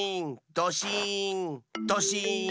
ドシーンドシーン！